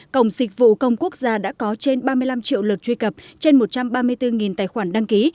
cổng dịch vụ công quốc gia đã có trên ba mươi năm triệu lượt truy cập trên một trăm ba mươi bốn tài khoản đăng ký